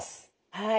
はい。